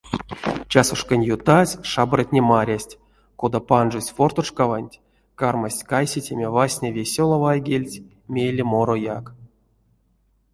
Часошкань ютазь шабратне марясть, кода панжозь форточкаванть кармасть кайсетеме васня весёла вайгельть, мейле морояк.